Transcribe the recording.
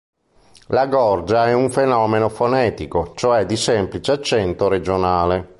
La gorgia è un fenomeno fonetico, cioè di semplice accento regionale.